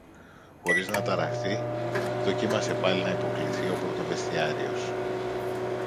Χωρίς να ταραχθεί, δοκίμασε πάλι να υποκλιθεί ο πρωτοβεστιάριος.